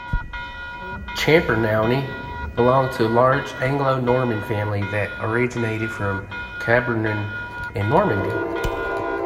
Champernowne belonged to a large Anglo-Norman family that originated from Cambernon, in Normandy.